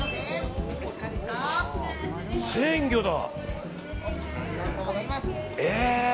鮮魚だ！